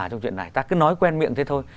trong chuyện này ta cứ nói quen miệng thế thôi